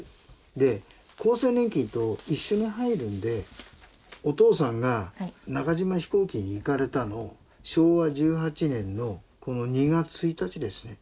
で厚生年金と一緒に入るんでお父さんが中島飛行機に行かれたの昭和１８年の２月１日ですね。